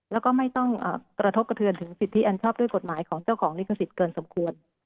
แล้วก็ไม่ต้องกระทบกระเทือนถึงสิทธิอันชอบด้วยกฎหมายของเจ้าของลิขสิทธิ์เกินสมควร